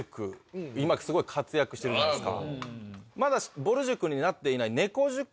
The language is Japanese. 今すごい活躍してるじゃないですか。